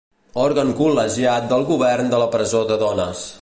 Òrgan col·legiat del govern de la Presó de Dones.